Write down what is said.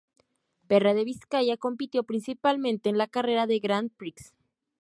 Pierre de Vizcaya compitió principalmente en la carrera de Grand Prix.